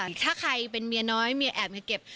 ถ้าใครเป็นเมียน้อยเมียแอบจะเก็บ